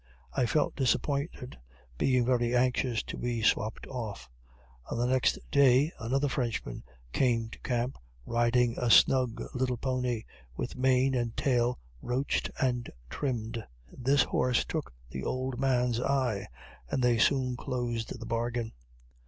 I felt disappointed, being very anxious to be swapped off. On the next day another Frenchman came to camp riding a snug little pony, with mane and tail roached and trimmed. This horse took the old man's eye, and they soon closed the bargain.